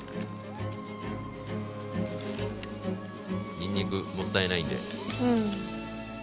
にんにくもったいないんで。